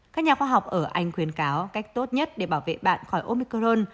các nhà khoa học ở anh khuyến cáo cách tốt nhất để bảo vệ bạn khỏi omicron